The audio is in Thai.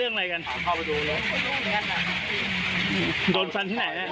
คือคุณแฟนเขาแล้วคุณแฟนเขาเนี้ย